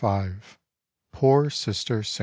V. POOR SISTER ST.